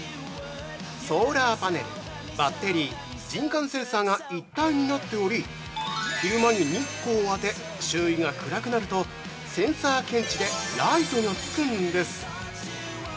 ソーラーパネルバッテリー、人感センサーが一体になっており昼間に日光を当て周囲が暗くなるとセンサー検知でライトがつくんです！